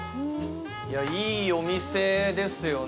いいお店ですよね。